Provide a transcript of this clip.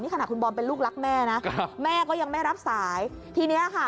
ขณะคุณบอมเป็นลูกรักแม่นะแม่ก็ยังไม่รับสายทีเนี้ยค่ะ